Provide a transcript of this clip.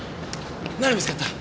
何見つかった？